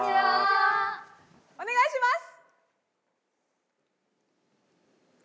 おねがいします！